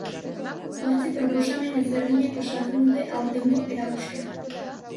Zortzi proposamen ezberdinek osatzen dute aurtengo erakusketa.